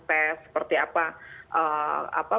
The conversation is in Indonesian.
tes seperti apa